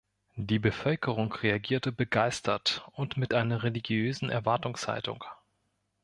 Die Bevölkerung reagierte begeistert und mit einer religiösen Erwartungshaltung.